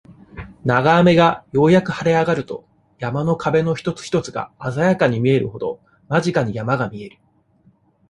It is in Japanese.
長雨がようやく晴れ上がると、山の襞の一つ一つが、鮮やかに見えるほど、間近に、山が見える。